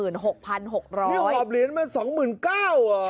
นี่หอบเหรียญมัน๒๙๐๐๐บาทอ่ะ